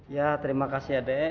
ya terima kasih ya de